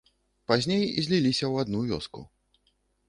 Пазней зліліся ў адну вёску.